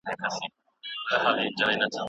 اور